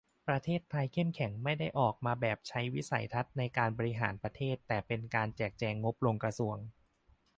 ไทยเข้มแข็งไม่ได้ออกมาแบบใช้วิสัยทัศน์ในการบริหารประเทศ แต่เป็นการแจกงบลงกระทรวง